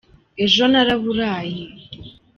ejo naraburaye